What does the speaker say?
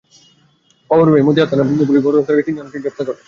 খবর পেয়ে মতিহার থানার পুলিশ ঘটনাস্থলে গিয়ে তিনজন হিজড়াকে আটক করে।